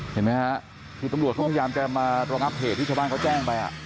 เห็นไหมฮะคือตำรวจเขาพยายามจะมาระงับเหตุที่ชาวบ้านเขาแจ้งไป